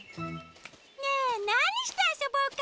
ねえなにしてあそぼうか！